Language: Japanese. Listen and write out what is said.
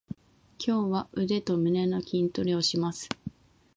今日は腕と胸の筋トレをします。